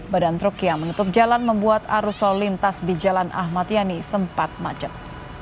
badan truk yang menutup jalan membuat arus lalu lintas di jalan ahmad yani sempat macet